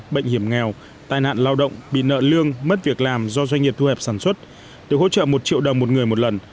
bệnh hiểm nghèo tai nạn lao động bị nợ lương mất việc làm do doanh nghiệp thu hẹp sản xuất được hỗ trợ một triệu đồng một người một lần